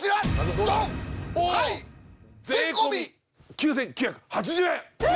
９９８０円！